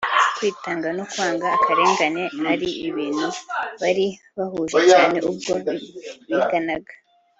kwitanga no kwanga akarengane ari ibintu bari bahuje cyane ubwo biganaga